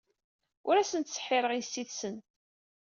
Ur asen-ttseḥḥireɣ yessi-tsen.